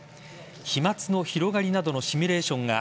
飛沫の広がりなどのシミュレーションが